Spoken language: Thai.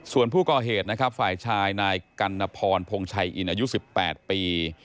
ส่วนผู้ก่อเหตุนะครับฝ่ายชายนายกัณฑรพงชัยอินอายุ๑๘ปี